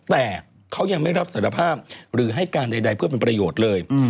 แต่เขายังไม่รับสารภาพหรือให้การใดเพื่อเป็นประโยชน์เลย